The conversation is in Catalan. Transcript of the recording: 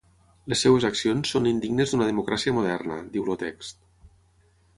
Les seves accions són indignes d’una democràcia moderna, diu el text.